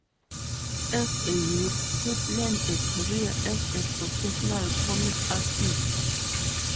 As a youth, he planned a career as a professional comics artist.